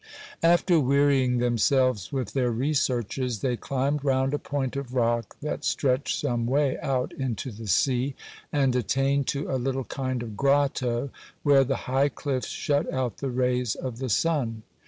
After wearying themselves with their researches, they climbed round a point of rock that stretched some way out into the sea, and attained to a little kind of grotto, where the high cliffs shut out the rays of the sun.